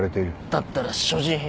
だったら所持品。